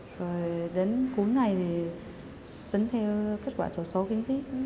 rồi đến cuối ngày thì tính theo kết quả sổ số kiến thiết